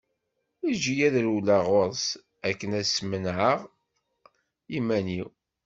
Eǧǧ-iyi ad rewleɣ ɣur-s, akken ad smenɛeɣ iman-iw.